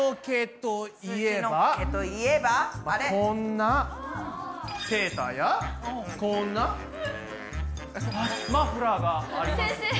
こんなセーターやこんなマフラーがありますね。